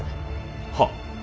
はっ。